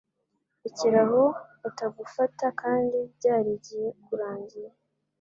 rekeraho batagufata kandi byari bigiye kurangira